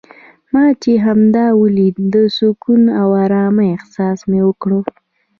ما چې همدا ولید د سکون او ارامۍ احساس مې وکړ.